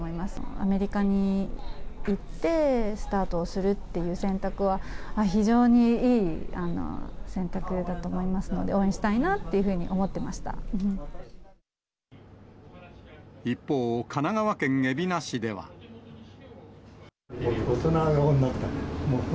アメリカに行ってスタートをするっていう選択は、非常にいい選択だと思いますので、応援したいなっていうふうに思っ一方、大人顔になったね。